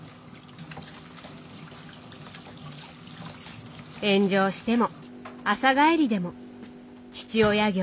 炎上しても朝帰りでも父親業に休みはない。